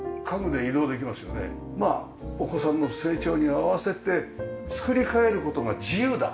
まあお子さんの成長に合わせて作り替える事が自由だ。